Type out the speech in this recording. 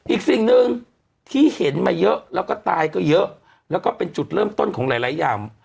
อีกสิ่งหนึ่งที่เห็นมาเยอะแล้วก็ตายก็เยอะแล้วก็เป็นจุดเริ่มต้นของหลายอย่าง